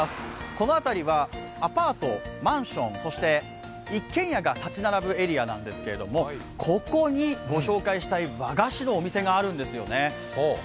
この辺りはアパート、マンションそして一軒屋が建ち並ぶエリアなんですがここにご紹介したい和菓子のお店があるんですよね。